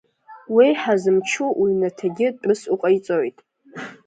Уеиҳа зымчу уҩнаҭагьы тәыс уҟаиҵоит…